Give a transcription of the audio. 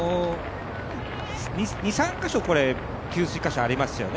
２３か所給水箇所ありますよね。